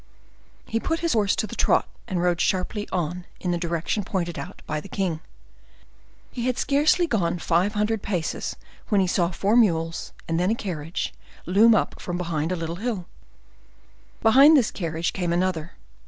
He put his horse to the trot, and rode sharply on in the direction pointed out by the king. But he had scarcely gone five hundred paces when he saw four mules, and then a carriage, loom up from behind a little hill. Behind this carriage came another.